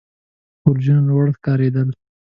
برجونه لوړ ښکارېدل.